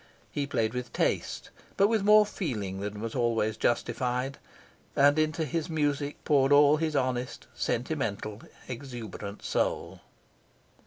He played with taste, but with more feeling than was always justified, and into his music poured all his honest, sentimental, exuberant soul.